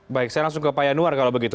baik saya langsung ke pak yanuar kalau begitu